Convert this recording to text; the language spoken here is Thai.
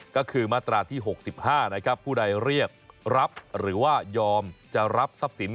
ก็คือมาตราที่๖๕นะครับผู้ใดเรียกรับหรือว่ายอมจะรับทรัพย์สิน